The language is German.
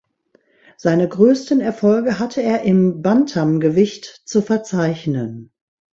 Seine größten Erfolge hatte er im Bantamgewicht zu verzeichnen.